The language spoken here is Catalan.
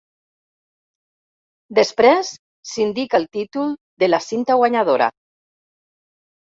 Després s'indica el títol de la cinta guanyadora.